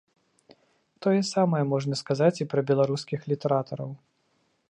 Тое самае можна сказаць і пра беларускіх літаратараў.